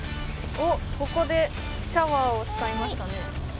おっここでシャワーを使いましたね